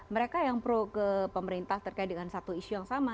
mereka yang pro ke pemerintah terkait dengan satu isu yang sama